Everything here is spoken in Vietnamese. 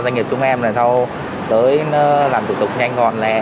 doanh nghiệp chúng em làm thủ tục nhanh gòn lẹ